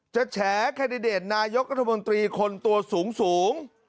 จะแฉะคันดิเดตนายกรรธบนตรีคนตัวสูง